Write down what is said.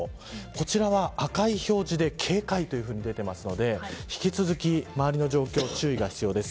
こちらは赤い表示で警戒と出ているので引き続き周りの状況に注意が必要です。